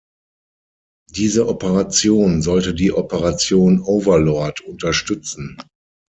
Diese Operation sollte die Operation Overlord unterstützen.